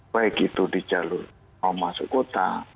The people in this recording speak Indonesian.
baik itu di jalur mau masuk kota